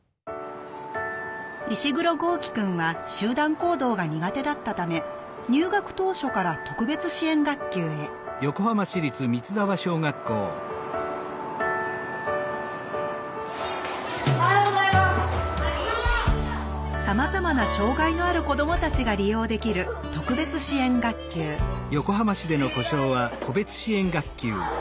石黒豪輝くんは集団行動が苦手だったため入学当初から特別支援学級へさまざまな障害のある子どもたちが利用できる特別支援学級取材です。